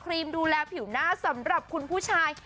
รีมดูแลผิวหน้าสำหรับคุณผู้ชาย